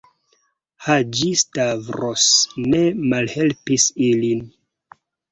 Haĝi-Stavros ne malhelpis ilin.